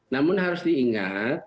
namun harus diingat